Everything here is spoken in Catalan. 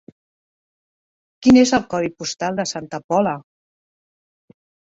Quin és el codi postal de Santa Pola?